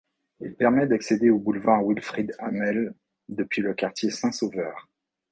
Il permet d'accéder au Boulevard Wilfrid-Hamel depuis le quartier Saint-Sauveur.